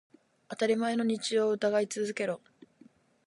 当たり前の日常を疑い続けろ。